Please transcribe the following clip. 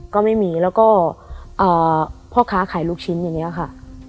ก็ไม่มีแล้วก็พ่อค้าขายลูกชิ้นอย่างนี้ค่ะ